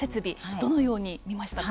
どのように見ましたか。